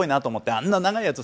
あんな長いやつ